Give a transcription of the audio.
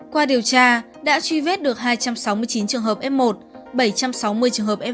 qua điều tra đã truy vết được hai trăm sáu mươi chín trường hợp f một bảy trăm sáu mươi trường hợp f một